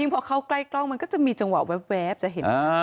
ยังพอเขากลับกล้องมันก็จะมีจังหวะหว๊บจะเห็น